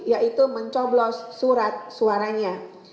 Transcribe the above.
yaitu mencoblos surat suaranya